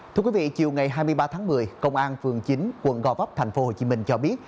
thưa quý vị chiều ngày hai mươi ba tháng một mươi công an phường chín quận gò vấp thành phố hồ chí minh cho biết